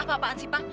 apa apaan sih pak